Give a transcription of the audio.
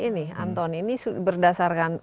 ini anton ini berdasarkan